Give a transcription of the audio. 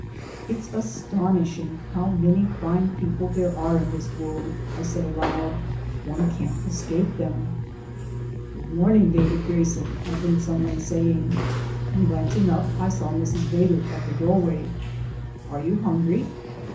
"It's astonishing how many fine people there are in this world," I said aloud; "one can't escape them!" "Good morning, David Grayson," I heard some one saying, and glancing up I saw Mrs. Vedder at the doorway. "Are you hungry?"